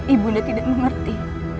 ibunda tidak mengerti